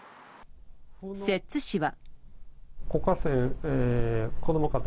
摂津市は。